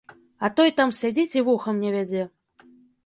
А той там сядзіць і вухам не вядзе.